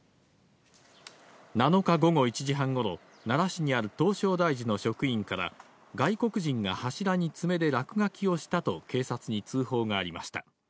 ７日午後１時半ごろ、奈良市にある唐招提寺の職員から、外国人が柱に爪で落書きをしたと、警察に通報がありました。